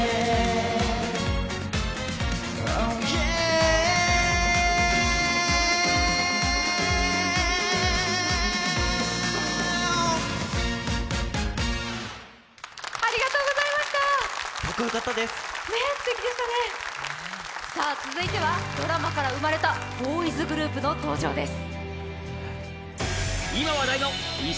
すてきでしたね続いてはドラマから生まれたボーイズグループの登場です。